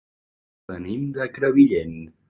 Venim de Crevillent.